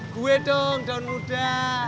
gue dong daun muda